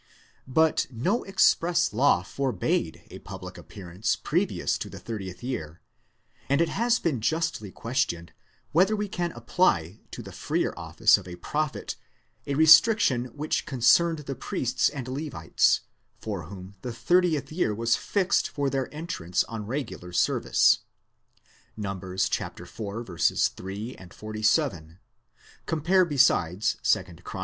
But no express law forbade a public appearance previous to the thirtieth year; and it has been justly questioned whether we can apply to the freer office of a Prophet a restriction which concerned the Priests and Levites, for whom the thirtieth year was fixed for their entrance on regular service 1! (Num. iv. 3, 47. Compare besides 2 Chron.